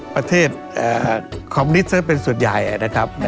ประเทศคอมมิเตอร์ซะเป็นส่วนใหญ่นะครับ